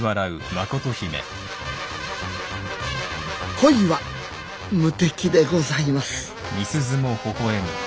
恋は無敵でございます